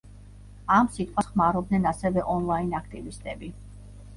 ამ სიტყვას ხმარობდნენ ასევე ონლაინ აქტივისტები.